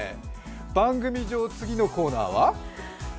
番組上、次のコーナーは？